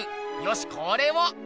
よしこれを。